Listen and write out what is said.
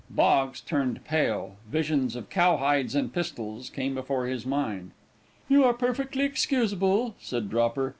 Boggs turned pale. Visions of cowhides and pistols came before his mind. "You are perfectly excusable," said Dropper.